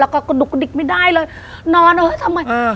แล้วก็กระดุกกระดิกไม่ได้เลยนอนเอ้ยทำไมเออ